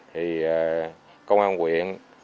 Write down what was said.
thì công an huyền